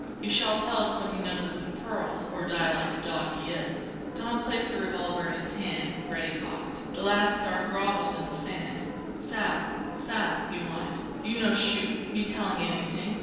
"He shall tell us what he knows of the pearls, or die like the dog he is." Don placed the revolver in his hand, ready cocked. The lascar grovelled in the sand. "Sa'b, sa'b!" he whined, "you no shoot, me telling anyting."